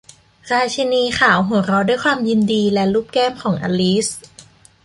ราชินีขาวหัวเราะด้วยความยินดี และลูบแก้มของอลิซ